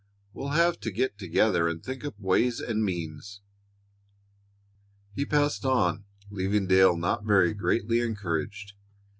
We'll have to get together and think up ways and means." He passed on, leaving Dale not very greatly encouraged.